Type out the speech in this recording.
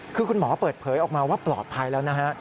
คือคุณหมอเปิดเผยออกมาว่าปลอดภัยแล้วนะฮะ